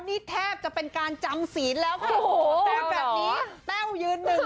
นี่แทบจะเป็นการจำศีลแล้วค่ะโอ้โหเตือนแบบนี้แต้วยืนหนึ่ง